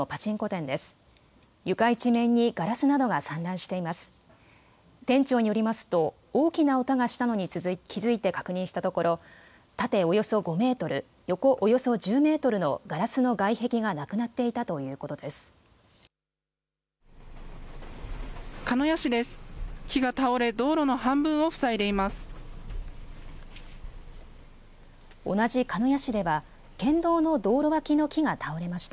店長によりますと、大きな音がしたのに気付いて確認したところ、縦およそ５メートル、横およそ１０メートルのガラスの外壁がなく鹿屋市です。